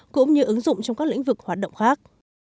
cũng như ứng dụng trong các lĩnh vực hoạt động khác